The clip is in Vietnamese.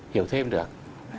hiểu thêm được